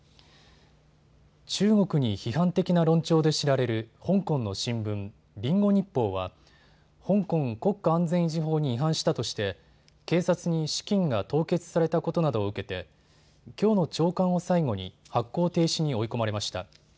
中国に批判的な論調で知られる香港の新聞、リンゴ日報は香港国家安全維持法に違反したとして警察に資金が凍結されたことなどを受けてきょうの朝刊を最後に発行停止に追い込まれました。